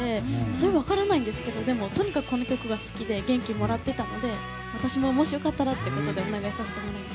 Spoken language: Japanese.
それは分からないんですけどとにかくこの曲が好きで元気をもらっていたので私も、もしよかったらということでお願いさせていただきました。